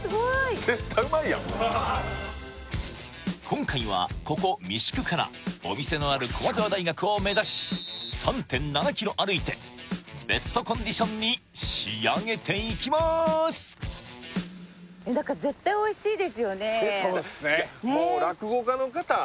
今回はここ三宿からお店のある駒沢大学を目指し３．７ｋｍ歩いてベストコンディションに仕上げていきまーすそうっすねねっそうですね